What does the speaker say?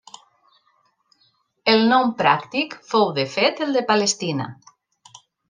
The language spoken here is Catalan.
El nom pràctic fou de fet el de Palestina.